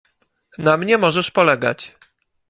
"Na mnie możesz polegać."